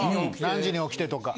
何時に起きてとか。